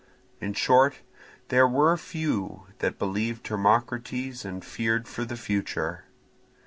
In short, there were few that believed Hermocrates and feared for the future.